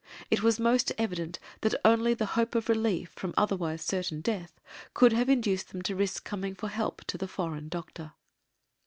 It was most evident that only the hope of relief from otherwise certain death could have induced them to risk coming for help to the foreign doctor.